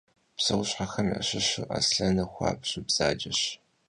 Pseuşhexem yaşışu aslhenır xuabju bzaceş.